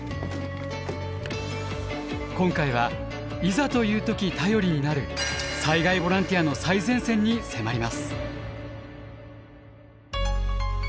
今回はいざという時頼りになる災害ボランティアの最前線に迫ります。